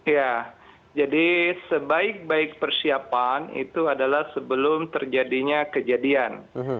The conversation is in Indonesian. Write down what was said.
ya jadi sebaik baik persiapan itu adalah sebelum terjadinya kejadian